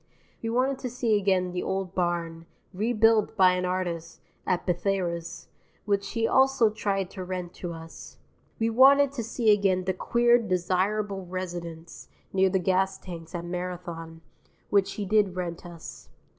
We wanted to see again the old barn, rebuilt by an artist, at Bethayres, which he also tried to rent to us. We wanted to see again the queer "desirable residence" (near the gas tanks at Marathon) which he did rent us.